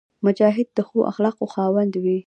مجاهد د ښو اخلاقو خاوند وي.